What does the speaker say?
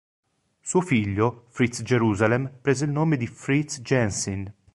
Suo figlio, Fritz Jerusalem prese il nome di Fritz Jensen.